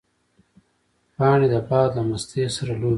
پاڼې د باد له مستۍ سره لوبې کوي